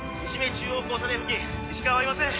中央交差点付近石川はいません。